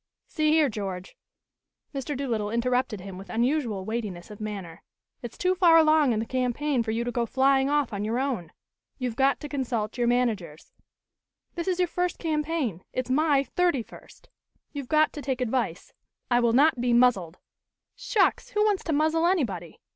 "See here, George." Mr. Doolittle interrupted him with unusual weightiness of manner. "It's too far along in the campaign for you to go flying off on your own. You've got to consult your managers. This is your first campaign; it's my thirty first. You've got to take advice " "I will not be muzzled." "Shucks! Who wants to muzzle, anybody!